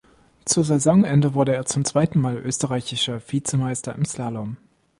Zu Saisonende wurde er zum zweiten Mal Österreichischer Vizemeister im Slalom.